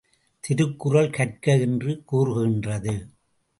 திருக்குறள் கற்க என்று கூறுகின்றது.